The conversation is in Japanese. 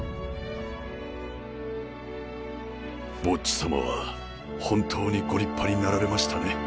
ボッジ様は本当にご立派になられましたね。